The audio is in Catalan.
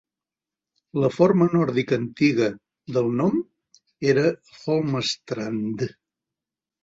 La forma nòrdica antiga del nom era Holmastrand.